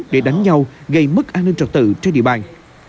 để đánh nhau gây mất an ninh trật tự trên địa bàn